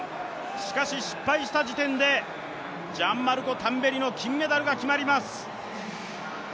しかし、失敗した時点でジャンマルコ・タンベリの金メダルが決まります。